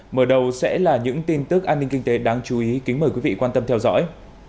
mở đầu sẽ là những tin tức an ninh kinh tế đáng chú ý kính mời quý vị quan tâm theo dõi